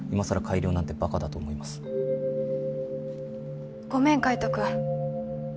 改良なんてバカだと思いますごめん海斗君